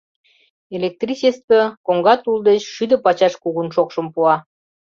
— Электричество коҥга тул деч шӱдӧ пачаш кугун шокшым пуа.